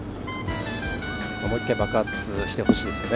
思い切り爆発してほしいですよね。